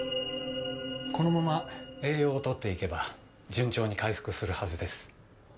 このまま栄養を取って行けば順調に回復するはずです。